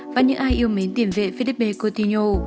và những ai yêu mến tiền vệ felipe coutinho